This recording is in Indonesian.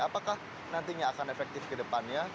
apakah nantinya akan efektif ke depannya